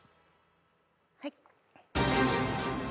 はい。